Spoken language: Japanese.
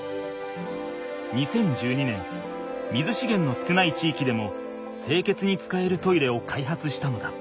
２０１２年水しげんの少ない地域でも清潔に使えるトイレを開発したのだ。